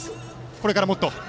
これからもっと？